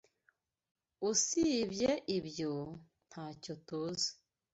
Usibye ibyo, ntacyo TUZI.